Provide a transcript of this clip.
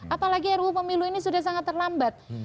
apalagi ru pemilu ini sudah sangat terlambat